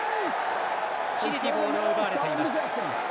チリにボールを奪われています。